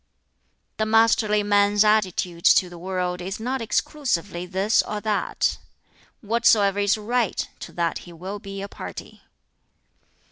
"The masterly man's attitude to the world is not exclusively this or that: whatsoever is right, to that he will be a party.